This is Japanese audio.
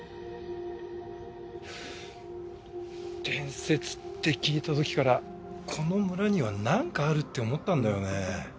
伝説って聞いた時からこの村にはなんかあるって思ったんだよね。